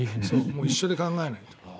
もう一緒で考えないと。